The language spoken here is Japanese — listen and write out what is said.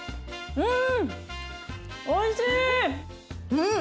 うん！